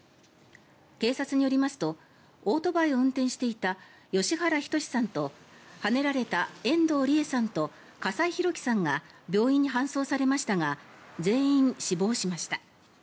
警察によりますとオートバイを運転していた吉原将さんとはねられた遠藤理栄さんと笠井広記さんが病院に搬送されましたが全員死亡しました。